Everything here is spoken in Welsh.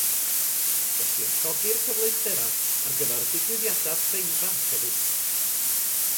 Gellir llogi'r cyfleusterau ar gyfer digwyddiadau preifat hefyd.